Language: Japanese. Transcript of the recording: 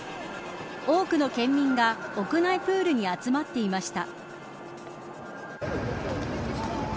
多くの県民が屋内プールに集まっていました。